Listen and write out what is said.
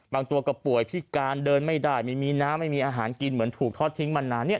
บางตัวก็ป่วยพิการเดินไม่ได้ไม่มีน้ำไม่มีอาหารกินเหมือนถูกทอดทิ้งมานานเนี่ย